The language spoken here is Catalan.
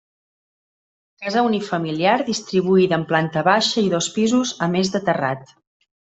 Casa unifamiliar distribuïda en planta baixa i dos pisos a més de terrat.